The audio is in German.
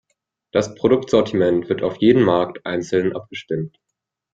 Das Produktsortiment wird auf jeden Markt einzeln abgestimmt.